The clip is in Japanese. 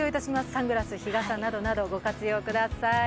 サングラス、日傘などなどご活用ください。